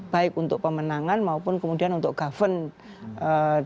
baik untuk pemenangan maupun kemudian untuk govern dari pemerintah